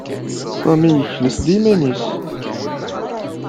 Sami yekles-d iman-nnes.